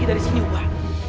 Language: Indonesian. kita harus tinggal disini